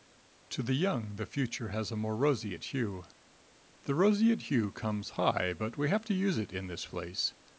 To the young the future has a more roseate hue. The roseate hue comes high, but we have to use it in this place.